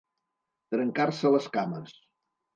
Trencar-se les cames.